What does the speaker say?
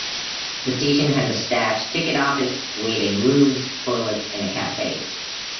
The station has a staffed ticket office, waiting rooms, toilets and a cafe.